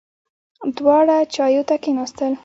دواړه چایو ته کېناستل.